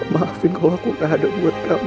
maafin kalau aku gak ada buat kamu